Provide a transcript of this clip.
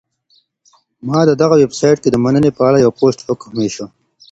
ما په دغه ویبسایټ کي د مننې په اړه یو پوسټ وکهمېشهی.